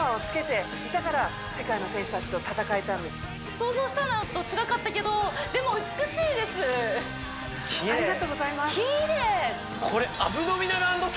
想像したのと違かったけどでも美しいですありがとうございますきれいきれい！